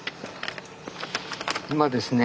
今ですね